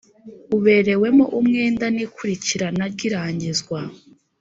uberewemo umwenda n ikurikirana ry irangizwa